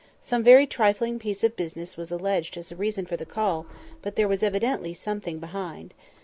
Some very trifling piece of business was alleged as a reason for the call; but there was evidently something behind.